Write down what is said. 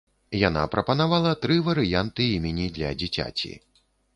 Яна прапанавала тры варыянты імені для дзіцяці.